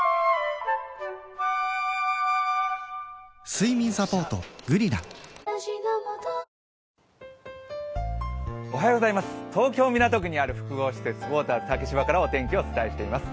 睡眠サポート「グリナ」東京・港区にある複合施設、ウォーターズ竹芝からお天気をお伝えします。